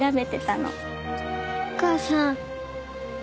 お母さん。